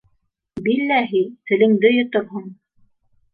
Билләһи, телеңде йоторһоң.